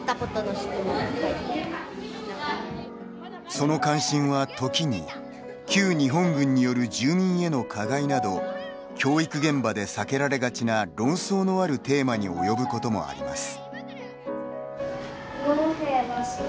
その関心は、時に旧日本軍による住民への加害など教育現場で避けられがちな論争のあるテーマに及ぶこともあります。